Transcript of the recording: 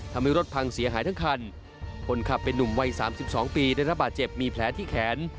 ทำให้รถพังเสียหายทั้งคันคนขับเป็นนุ่มวัยสามสิบสองปีได้รับบาดเจ็บมีแผลที่แขน